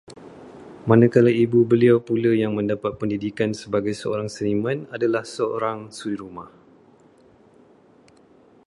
Manakala ibu beliau pula yang mendapat pendidikan sebagai seorang seniman, adalah seorang suri rumah